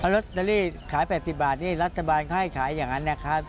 ลอตเตอรี่ขาย๘๐บาทนี่รัฐบาลเขาให้ขายอย่างนั้นนะครับ